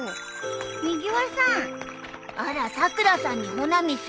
あらさくらさんに穂波さん。